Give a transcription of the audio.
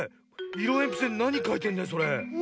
いろえんぴつでなにかいてんだいそれ？